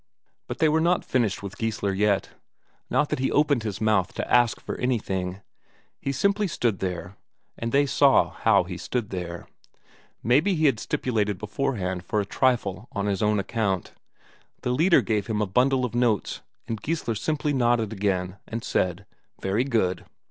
But they were not finished with Geissler yet. Not that he opened his mouth to ask for anything; he simply stood there, and they saw how he stood there: maybe he had stipulated beforehand for a trifle on his own account. The leader gave him a bundle of notes, and Geissler simply nodded again, and said: "Very good."